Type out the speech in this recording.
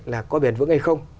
là có bền vững hay không